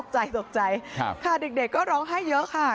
ตกใจตกใจค่ะเด็กก็ร้องไห้เยอะค่ะ